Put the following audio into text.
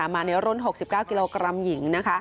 มาในรุ่น๖๙กิโลกรัมหญิง